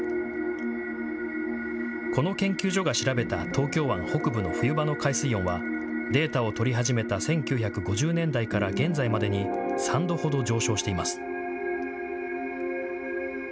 この研究所が調べた東京湾北部の冬場の海水温はデータを取り始めた１９５０年代から現在までに３度ほど上昇しています。